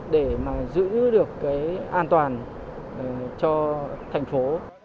để giữ được an toàn cho thành phố